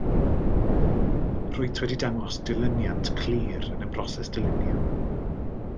Rwyt wedi dangos dilyniant clir yn y broses dylunio